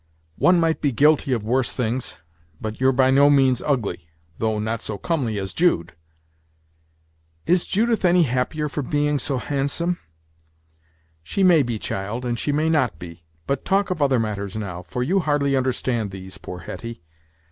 "One might be guilty of worse things but you're by no means ugly; though not so comely as Jude." "Is Judith any happier for being so handsome?" "She may be, child, and she may not be. But talk of other matters now, for you hardly understand these, poor Hetty.